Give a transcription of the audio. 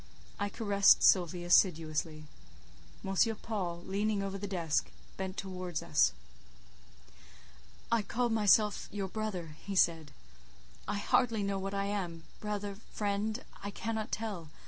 I caressed Sylvie assiduously. M. Paul, leaning—over the desk, bent towards me:—"I called myself your brother," he said: "I hardly know what I am—brother—friend—I cannot tell.